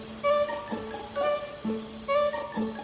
aku akan mencobanya